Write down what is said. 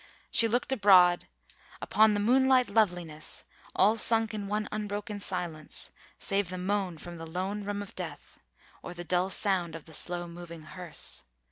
She looked abroad "Upon the moonlight loveliness, all sunk In one unbroken silence, save the moan From the lone room of death, or the dull sound Of the slow moving hearse.